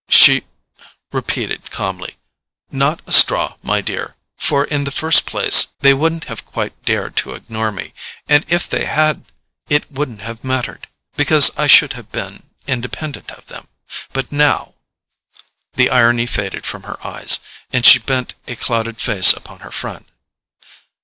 she repeated calmly: "Not a straw, my dear; for, in the first place, they wouldn't have quite dared to ignore me; and if they had, it wouldn't have mattered, because I should have been independent of them. But now—!" The irony faded from her eyes, and she bent a clouded face upon her friend.